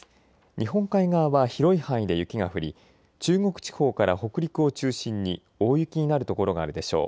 日本海側は広い範囲で雪が降り中国地方から北陸を中心に大雪になる所があるでしょう。